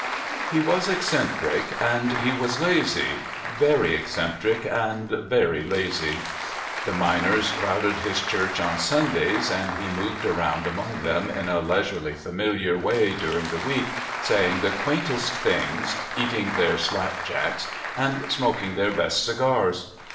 HE was eccentric, and he was lazy — very eccentric, and very lazy. The miners crowded his church on Sundays, and he moved around among them in a leisure ly famiHar way during the week, saying the quaintest things, eating their slapjacks, and smok ing their best cigars.